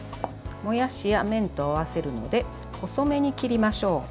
もやしや麺と合わせるので細めに切りましょう。